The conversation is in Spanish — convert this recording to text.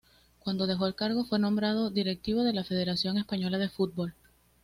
Cuando dejó el cargo fue nombrado directivo de la Federación Española de Fútbol.